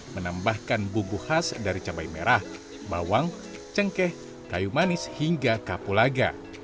menambahkan bumbu khas dari cabai merah bawang cengkeh kayu manis hingga kapulaga